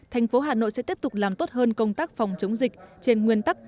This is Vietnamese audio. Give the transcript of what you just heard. thành phố hà nội sẽ tiếp tục làm tốt hơn công tác phòng chống dịch trên nguyên tắc